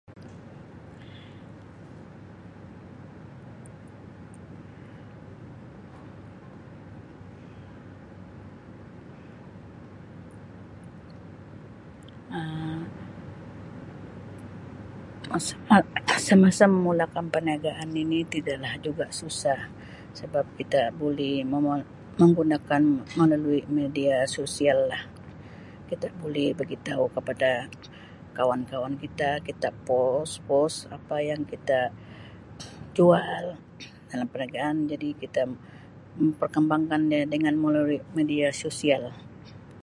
Um [unintelligible] Semasa memulakan perniagaan ini tidaklah juga susah sebab kita boleh [unintelligible] menggunakan melalui media sosial lah. Kita boleh bagitau kepada kawan-kawan kita. Kita post-post apa yang kita jual dalam perniagaan jadi kita memperkembangkan dia dengan melalui media sosial